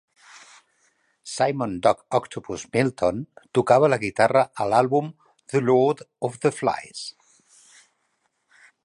Simon Doc Octopus Milton tocava la guitarra a l'àlbum The Lord Of The Flies.